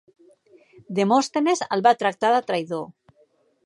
Demòstenes el va tractar de traïdor.